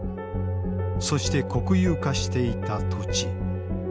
そして国有化していた土地。